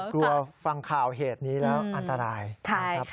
กลัวฟังข่าวเหตุนี้แล้วอันตรายครับค่ะ